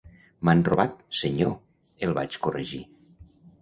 "M'han robat, senyor", el vaig corregir.